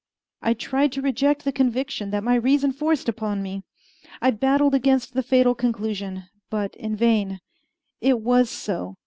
I tried to reject the conviction that my reason forced upon me. I battled against the fatal conclusion but in vain. It was so.